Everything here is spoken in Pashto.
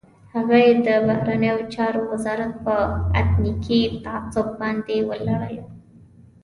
هغه یې د بهرنیو چارو وزارت په اتنیکي تعصب باندې ولړلو.